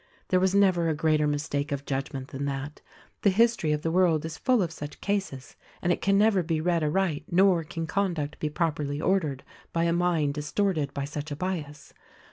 "There was never a greater mistake of judgment than that. The history of the world is full of such cases : and it can never be read aright nor can conduct be properlv ordered, by a mind distorted by such a bias.